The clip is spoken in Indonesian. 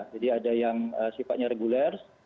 jadi ada yang sifatnya regular